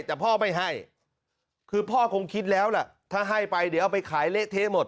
แต่พ่อไม่ให้คือพ่อคงคิดแล้วล่ะถ้าให้ไปเดี๋ยวเอาไปขายเละเทะหมด